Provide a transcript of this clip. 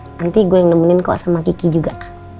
nanti gue yang nemenin kok sama kiki juga